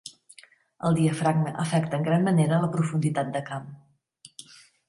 El diafragma afecta en gran manera la profunditat de camp.